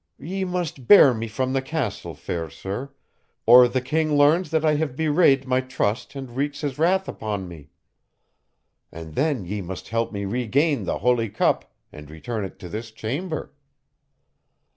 "Ye must bear me from the castle, fair sir, or the king learns I have bewrayed my trust and wreaks his wrath upon me. And then ye must help me regain the Holy Cup and return it to this chamber."